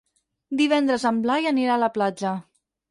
Divendres en Blai anirà a la platja.